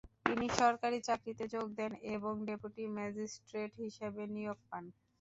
তিনি সরকারি চাকরিতে যোগ দেন এবং ডেপুটি ম্যাজিস্ট্রেট হিসেবে নিয়োগ পান।